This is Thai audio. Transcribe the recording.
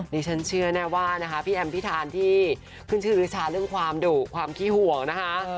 ดิฉันเชื่อแน่ว่านะคะพี่แอมพิธานที่ขึ้นชื่อวิชาเรื่องความดุความขี้ห่วงนะคะ